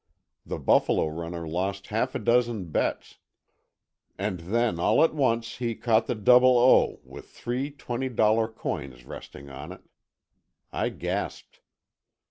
The buffalo runner lost half a dozen bets, and then all at once he caught the double O with three twenty dollar coins resting on it. I gasped.